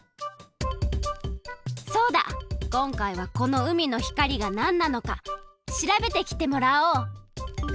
そうだこんかいはこの海の光がなんなのか調べてきてもらおう！